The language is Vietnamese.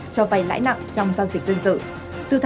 cho vay lãi nặng trong giao dịch dân sự